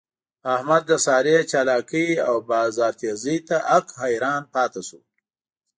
احمد د سارې چالاکی او بازار تېزۍ ته حق حیران پاتې شو.